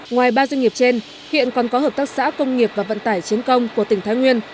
ngoài ba doanh nghiệp trên hiện còn có hợp tác xã công nghiệp và vận tải chiến công của tỉnh thái nguyên